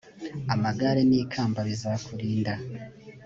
amagare n ikamba bizakurinda